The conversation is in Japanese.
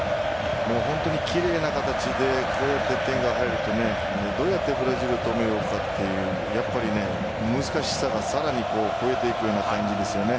本当に奇麗な形でこうやって点が入るとどうやってブラジル止めようかというやっぱり難しさがさらに増えていくような感じですよね。